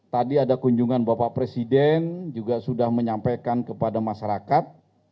tadi ada kunjungan bapak presiden juga sudah menyampaikan kepada masyarakat